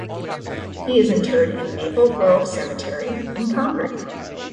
He is interred in Maple Grove Cemetery, in Concord.